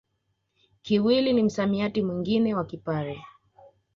Kiwili ni msamiati mwingine wa Kipare